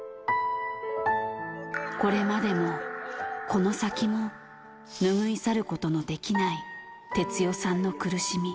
これまでも、この先も、拭いさることのできない哲代さんの苦しみ。